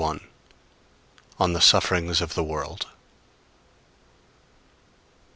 S. ON THE SUFFERINGS OF THE WORLD.